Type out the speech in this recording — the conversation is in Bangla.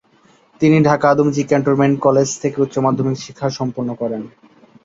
তিনি ঢাকা আদমজী ক্যান্টনমেন্ট কলেজ থেকে উচ্চ মাধ্যমিক শিক্ষা সম্পন্ন করেন।